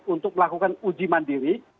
untuk melakukan uji mandiri